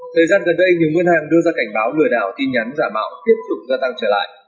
thời gian gần đây nhiều ngân hàng đưa ra cảnh báo lừa đảo tin nhắn giả mạo tiếp tục gia tăng trở lại